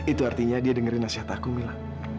itu artinya dia dengerin nasihat aku mila